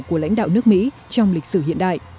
của lãnh đạo nước mỹ trong lịch sử hiện đại